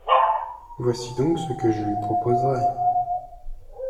Voici donc ce que je lui proposerais.